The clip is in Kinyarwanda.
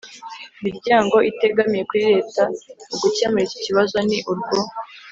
miryango itegamiye kuri Leta mu gukemura iki kibazo ni urwo